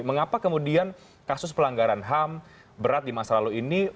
mengapa kemudian kasus pelanggaran ham berat di masa lalu ini